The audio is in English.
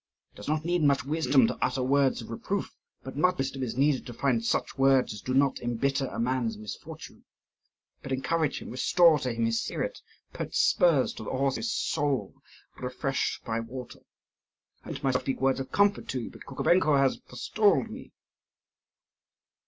It does not need much wisdom to utter words of reproof; but much wisdom is needed to find such words as do not embitter a man's misfortune, but encourage him, restore to him his spirit, put spurs to the horse of his soul, refreshed by water. I meant myself to speak words of comfort to you, but Kukubenko has forestalled me."